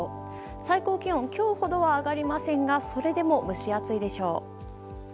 最高気温今日ほどは上がりませんがそれでも蒸し暑いでしょう。